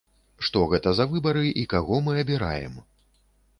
Што гэта за выбары і каго мы абіраем?